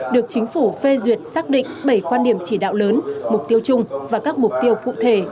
được chính phủ phê duyệt xác định bảy quan điểm chỉ đạo lớn mục tiêu chung và các mục tiêu cụ thể